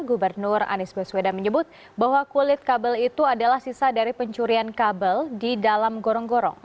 gubernur anies baswedan menyebut bahwa kulit kabel itu adalah sisa dari pencurian kabel di dalam gorong gorong